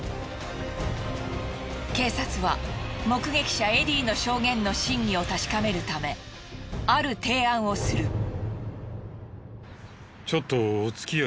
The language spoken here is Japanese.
警察は目撃者エディの証言の真偽を確かめるためある提案をする。